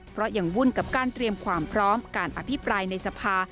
เพราะยังวุ่นกับการเตรียมความพร้อมการอภิปรายในสภา